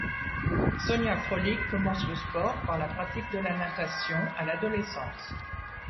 Sonja Krolik commence le sport par la pratique de la natation à l'adolescence.